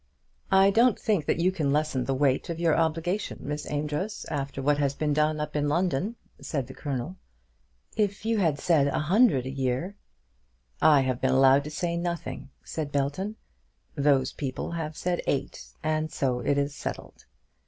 "I don't think that you can lessen the weight of your obligation, Miss Amedroz, after what has been done up in London," said the Colonel. "If you had said a hundred a year " "I have been allowed to say nothing," said Belton; "those people have said eight, and so it is settled.